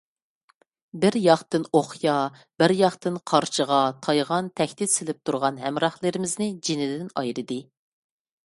بىر ياقتىن ئوقيا، بىر ياقتىن قارچىغا، تايغان تەھدىت سېلىپ نۇرغۇن ھەمراھلىرىمىزنى جېنىدىن ئايرىدى.